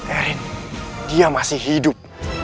erin dia masih hidup